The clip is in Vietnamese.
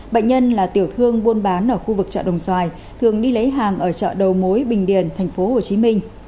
bệnh nhân là tiểu thương buôn bán ở khu vực chợ đồng xoài thường đi lấy hàng ở chợ đầu mối bình điền thành phố hồ chí minh